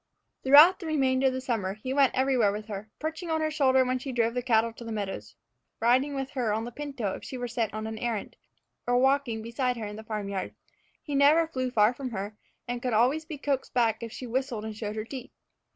Throughout the remainder of the summer he went everywhere with her, perching on her shoulder when she drove the cattle to the meadows, riding with her on the pinto if she were sent on an errand, or walking beside her in the farm yard. He never flew far from her, and could always be coaxed back if she whistled and showed her teeth.